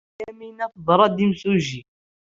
Yamina teẓra-d imsujji.